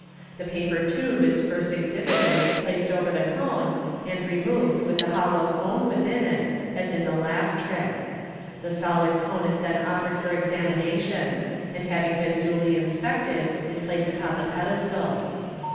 The paper tube is first ex hibited, placed over the cone, and removed with the h< How cone with in it, as in the last trick. The solid cone is then offered for examination, and having been duly inspected, is placed upon the pedestal.